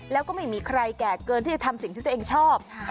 แล้วก็ไม่มีใครแก่เกินที่จะทำสิ่งที่ตัวเองชอบ